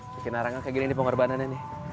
bikin arangnya kayak gini nih pengorbanannya nih